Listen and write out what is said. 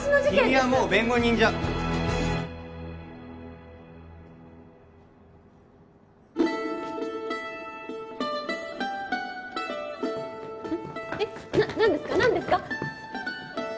君はもう弁護人じゃえっえっ何ですか何ですか！？